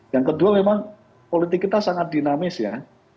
yang kedua memang politik kita sangat dinamis ya